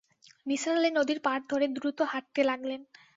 নিসার আলি নদীর পাড় ধরে দ্রুত হাঁটতে লাগলেন।